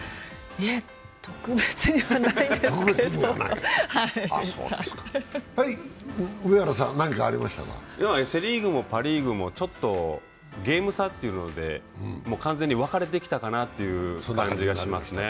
いえ、特別にはないんですけれどセ・リーグもパ・リーグもちょっとゲーム差というので完全に分かれてきたかなという感じがしますね。